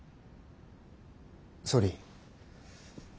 総理。